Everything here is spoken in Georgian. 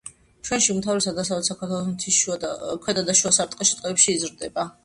ჩვენში უმთავრესად დასავლეთ საქართველოს მთის ქვედა და შუა სარტყელის ტყეებში იზრდება.